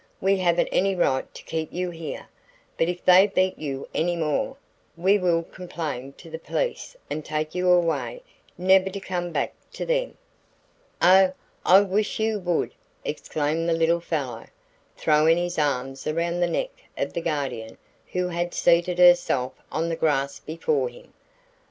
We haven't any right to keep you here, but if they beat you any more, we will complain to the police and take you away never to come back to them." "Oh, I wish you would," exclaimed the little fellow, throwing his arms around the neck of the Guardian who had seated herself on the grass before him.